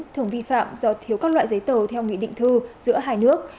thường vi phạm do thiếu các loại giấy tờ theo nghị định thư giữa hai nước